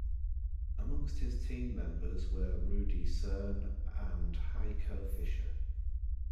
Amongst his team members were Rudi Cerne and Heiko Fischer.